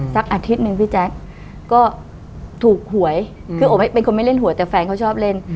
อาทิตย์หนึ่งพี่แจ๊คก็ถูกหวยคือโอ๊ยเป็นคนไม่เล่นหวยแต่แฟนเขาชอบเล่น